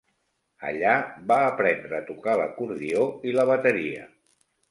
Allà va aprendre a tocar l'acordió i la bateria.